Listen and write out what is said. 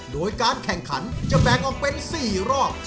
โดยการแข่งขันจะแบ่งออกเป็น๔รอบ